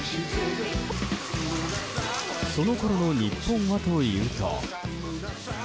そのころの日本はというと。